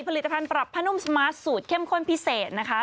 ผลิตภัณฑ์ปรับผ้านุ่มสมาร์ทสูตรเข้มข้นพิเศษนะคะ